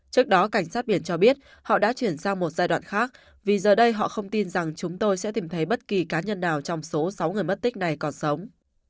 trước đó cảnh sát biển cho biết họ đã chuyển sang một giai đoạn khác vì giờ đây họ không tin rằng chúng tôi sẽ tìm thấy bất kỳ cá nhân nào trong số sáu người mất tích này còn sống